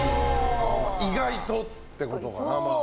意外とってことかな。